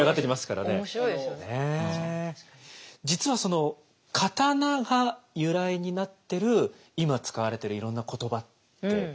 実はその刀が由来になってる今使われてるいろんな言葉ってあるようなんですよ。